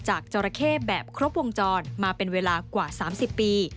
จราเข้แบบครบวงจรมาเป็นเวลากว่า๓๐ปี